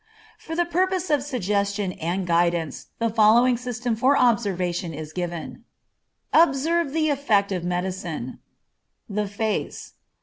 For the purpose of suggestion and guidance, the following system for observation is given: Observe the effect of medicine. The face.